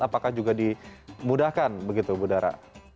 apakah juga dimudahkan begitu bu dara